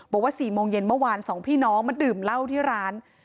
๔โมงเย็นเมื่อวาน๒พี่น้องมาดื่มเหล้าที่ร้าน